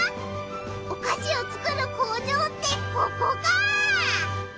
おかしをつくる工場ってここか！